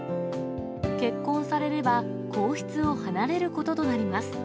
結婚されれば、皇室を離れることとなります。